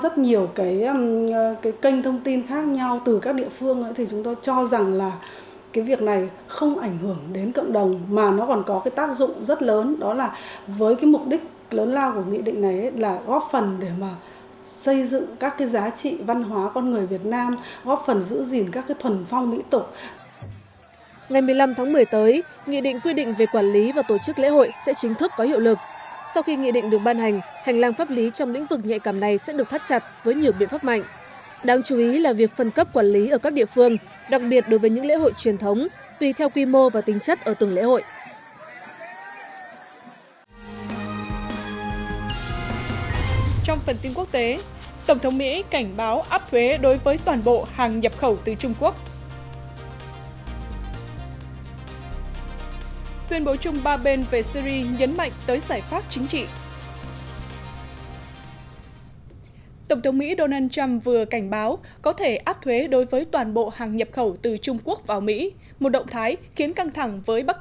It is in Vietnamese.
tổng thống mỹ donald trump vừa cảnh báo có thể áp thuế đối với toàn bộ hàng nhập khẩu từ trung quốc vào mỹ một động thái khiến căng thẳng với bắc kinh lao thang